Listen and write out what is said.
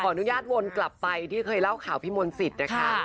อนุญาตวนกลับไปที่เคยเล่าข่าวพี่มนต์สิทธิ์นะคะ